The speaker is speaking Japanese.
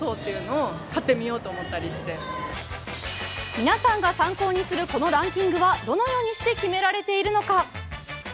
皆さんが参考にするこのランキングはどのようにして決められているのか。